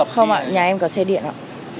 không ạ nhà em có xe điện ạ